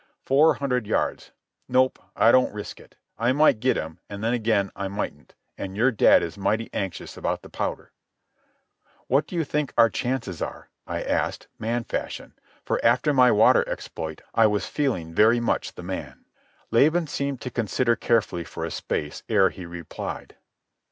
"Four hundred yards. Nope, I don't risk it. I might get him, and then again I mightn't, an' your dad is mighty anxious about the powder." "What do you think our chances are?" I asked, man fashion, for, after my water exploit, I was feeling very much the man. Laban seemed to consider carefully for a space ere he replied.